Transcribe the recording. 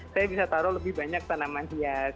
saya bisa taruh lebih banyak tanaman hias